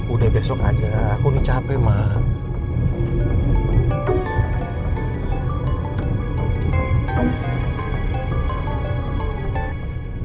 udah besok aja aku nih capek mak